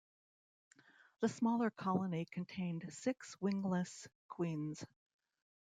The smaller colony contained six wingless queens.